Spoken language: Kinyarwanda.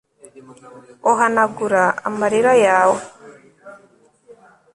ohanagura amarira yawe